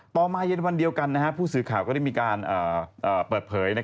มาเย็นวันเดียวกันผู้สื่อข่าวก็ได้มีการเปิดเผย